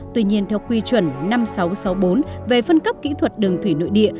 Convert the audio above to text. tuy nhiên theo quy chuẩn năm nghìn sáu trăm sáu mươi bốn về phân cấp kỹ thuật đường thủy nội địa